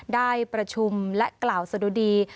ได้ประชุมและกล่าวสะดุดี